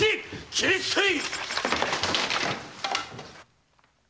斬り捨てい！